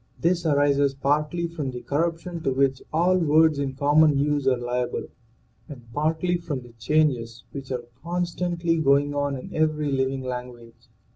This arises partly from the cor ruption to which all words in common use are liable and partly from the changes which are constantly going on in every living language.